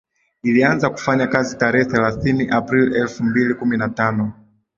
ilianza kufanya kazi tarehe thelathini aprili elfu mbili kumi na tano